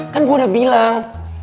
kan gue udah bilang